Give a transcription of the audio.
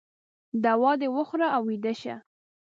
دوا د وخوره او ویده شه